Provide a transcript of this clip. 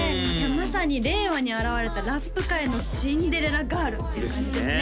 まさに令和に現れたラップ界のシンデレラガールっていう感じですね